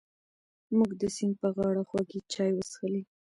موږ د سیند په غاړه خوږې چای وڅښلې.